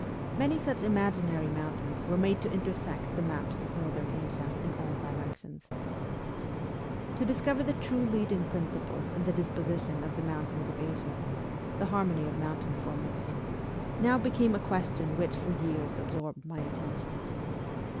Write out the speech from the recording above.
Many such imaginary mountains were made to intersect the maps of Northern Asia in all directions. To discover the true leading principles in the disposition of the mountains of Asia the harmony of mountain formation now became a question which for years absorbed my attention.